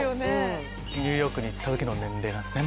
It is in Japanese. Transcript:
ニューヨークに行った時の年齢なんですね